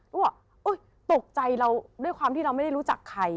ก็บอกตกใจเราด้วยความที่เราไม่ได้รู้จักใคร